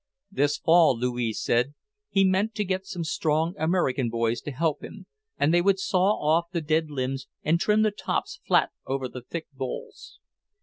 This fall, Louis said, he meant to get some strong American boys to help him, and they would saw off the dead limbs and trim the tops flat over the thick boles.